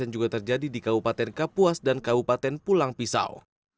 juga terjadi di kabupaten kapuas dan kabupaten pulang pisau